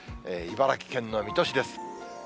茨城県の水戸市です。